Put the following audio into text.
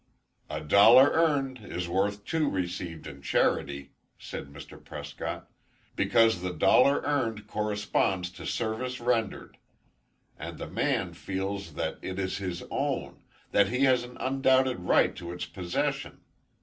"A dollar earned, is worth two received in charity," said Mr. Prescott; "because the dollar earned corresponds to service rendered, and the man feels that it is his own that he has an undoubted right to its possession.